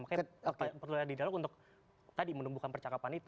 makanya perlu ada dialog untuk tadi menumbuhkan percakapan itu